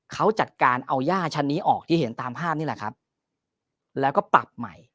เขาจัดการเอาย่าชั้นนี้ออกที่เห็นตามภาพนี่แหละครับแล้วก็ปรับใหม่